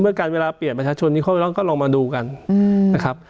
ในการเปลี่ยนประชาชนก็ลองมาดูกันนะครับ